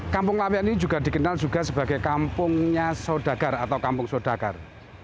kampung lawian ini juga dikenal juga sebagai kampungnya saudagar atau kampung saudagar